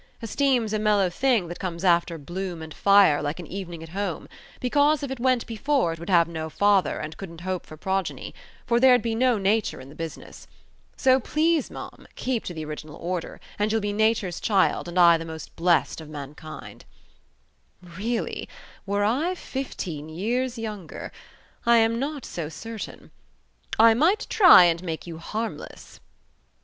Esteem's a mellow thing that comes after bloom and fire, like an evening at home; because if it went before it would have no father and couldn't hope for progeny; for there'd be no nature in the business. So please, ma'am, keep to the original order, and you'll be nature's child, and I the most blessed of mankind." "Really, were I fifteen years younger. I am not so certain ... I might try and make you harmless."